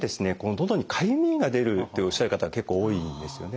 のどにかゆみが出るっておっしゃる方結構多いんですよね。